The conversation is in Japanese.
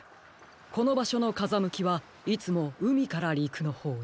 このばしょのかざむきはいつもうみからりくのほうへ？